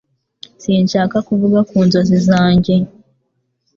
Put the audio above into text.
Sinshaka kuvuga ku nzozi zanjye